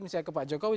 misalnya ke pak jokowi